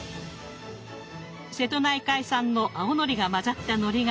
瀬戸内海産の青のりが混ざったのりが特徴。